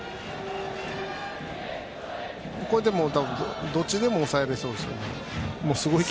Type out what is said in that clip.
ここは、どっちでも抑えられそうです。